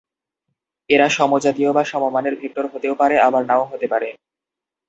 এরা সমজাতীয় বা সমমানের ভেক্টর হতেও পারে আবার নাও হতে পারে।